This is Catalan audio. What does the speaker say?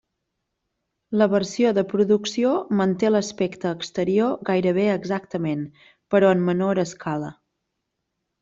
La versió de producció manté l'aspecte exterior gairebé exactament, però en menor escala.